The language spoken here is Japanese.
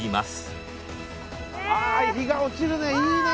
あ日が落ちるねいいね。